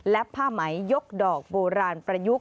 และผ้าไหมยกดอกโบราณประยุกต์